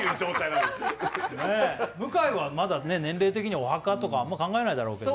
向井はまだ年齢的にお墓とか、あまり考えないだろうけど。